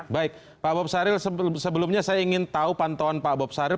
baik pak bob saril sebelumnya saya ingin tahu pantauan pak bob saril